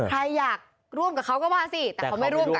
ใครอยากร่วมกับเขาก็ว่าสิแต่เขาไม่ร่วมกัน